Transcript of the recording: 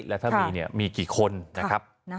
แล้วพื้นทางเนี่ยมีกี่คน